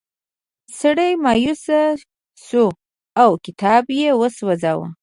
سړی مایوسه شو او کتاب یې وسوځاوه.